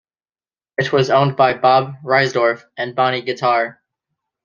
It was owned by Bob Reisdorf and Bonnie Guitar.